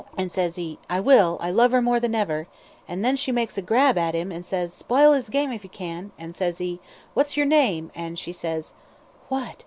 and ses he, 'I will, I love her more than ever;' and then she makes a grab at him, and says, 'Spile his game if you can,' and says he, 'What's yer name?' and she says " "What?"